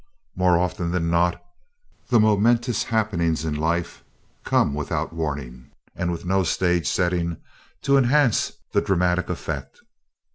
More often than not, the momentous happenings in life come without warning, and with no stage setting to enhance the dramatic effect.